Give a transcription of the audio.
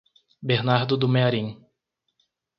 Bernardo do Mearim